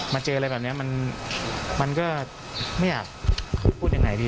เจออะไรแบบนี้มันก็ไม่อยากพูดยังไงดี